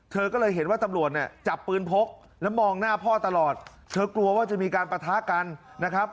เธอกลัวว่าจะมีการปท้ากันนะครับ